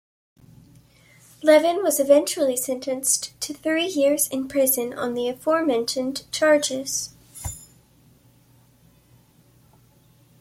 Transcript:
Levin was eventually sentenced to three years in prison on the aforementioned charges.